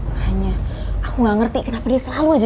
makanya aku gak ngerti kenapa dia selalu aja